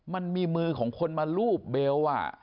มันมีมือของคนมารูปเบลว่ะ